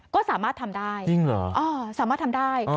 ก็สามารถทำได้จริงเหรอสามารถทำได้